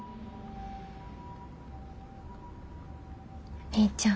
お兄ちゃん。